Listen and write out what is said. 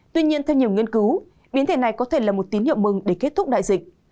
tuy nhiên theo nhiều nghiên cứu biến thể này có thể là một tín hiệu mừng để kết thúc đại dịch